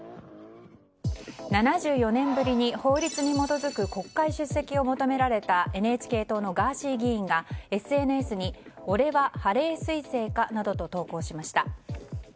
７４年ぶりに、法律に基づく国会出席を求められたＮＨＫ党のガーシー議員がＳＮＳにオレはハレー彗星かなどと投稿しました。